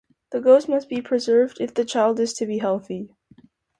The ghost must be preserved if the child is to be healthy.